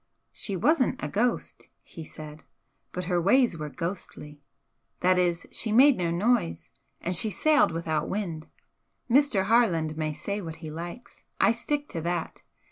"She wasn't a ghost," he said "but her ways were ghostly. That is, she made no noise, and she sailed without wind. Mr. Harland may say what he likes, I stick to that.